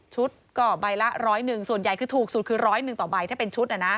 ชุดก็ใบละ๑๐๑บาทส่วนใหญ่คือถูกสุดคือ๑๐๑บาทต่อใบถ้าเป็นชุดนะ